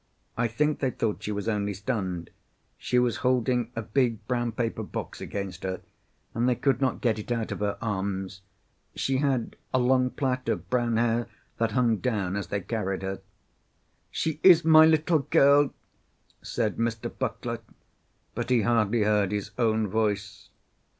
"I think they thought she was only stunned. She was holding a big brown paper box against her, and they could not get it out of her arms. She had a long plait of brown hair that hung down as they carried her." "She is my little girl," said Mr. Puckler, but he hardly heard his own voice.